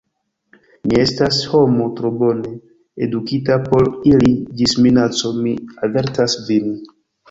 Mi estas homo tro bone edukita por iri ĝis minaco: mi avertas vin.